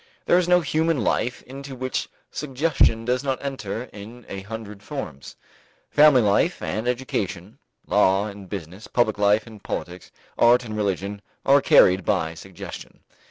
There is no human life into which suggestion does not enter in a hundred forms. Family life and education, law and business, public life and politics, art and religion are carried by suggestion.